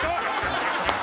ハハハハ！